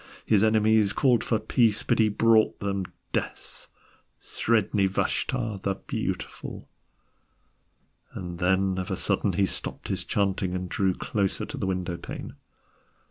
His enemies called for peace, but he brought them death. Sredni Vashtar the Beautiful. And then of a sudden he stopped his chanting and drew closer to the window pane.